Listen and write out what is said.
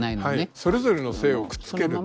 それぞれの姓をくっつける。